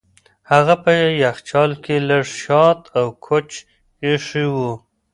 هغه په یخچال کې لږ شات او کوچ ایښي وو.